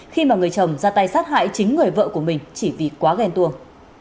khi mà người chồng ra tay sát hại chính người vợ của mình chỉ vì quá ghen tuồng